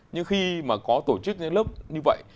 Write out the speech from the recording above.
nhưng khi mà có tổ chức lớp như vậy